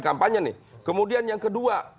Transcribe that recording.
kampanye nih kemudian yang kedua